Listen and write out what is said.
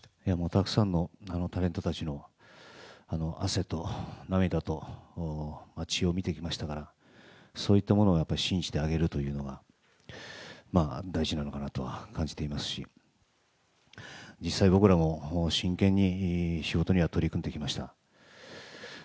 たくさんのタレントたちの汗と涙と血を見てきましたからそういったものを信じてあげるというのが大事なのかなとは感じていますし、実際僕らも真剣に仕事には取り組んできました